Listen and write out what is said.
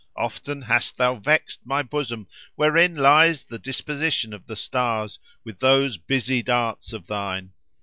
Often hast thou vexed my bosom, wherein lies the disposition of the stars, with those busy darts of thine.